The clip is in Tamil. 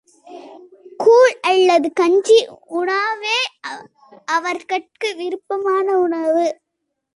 கூழ் அல்லது கஞ்சி உணவே அவர்கட்கு விருப்பமான உணவாகும்.